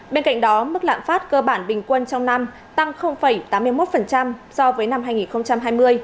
bên cạnh đó mức lạm phát cơ bản bình quân trong năm tăng tám mươi một so với năm hai nghìn hai mươi